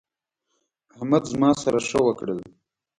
احمد زما سره ښه وکړل.